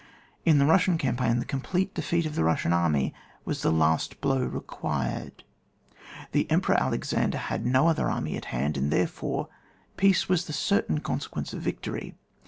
In the Bussian campaign, the complete defeat of the Bussian army was the last blow required : the Emperor Alexander had no other army at hand, and, there fore, peace was the certain consequence of victory.